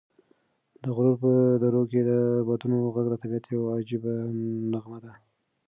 د غرونو په درو کې د بادونو غږ د طبعیت یوه عجیبه نغمه ده.